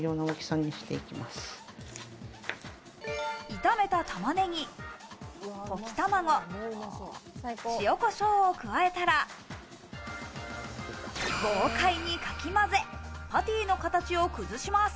炒めたたまねぎ、溶き卵、塩コショウを加えたら豪快にかきまぜ、パティの形を崩します。